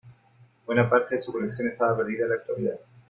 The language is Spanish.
Buena parte de su colección está perdida en la actualidad.